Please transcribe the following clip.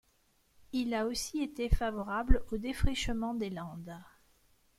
Il a aussi été favorable au défrichement des Landes.